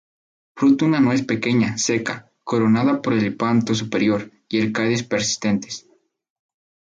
Fruto una nuez pequeña, seca, coronada por el hipanto superior y el cáliz persistentes.